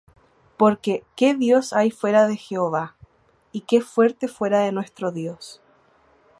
Porque ¿qué Dios hay fuera de Jehová? ¿Y qué fuerte fuera de nuestro Dios?